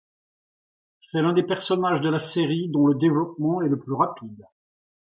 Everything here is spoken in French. C'est l'un des personnages de la série dont le développement est le plus rapide.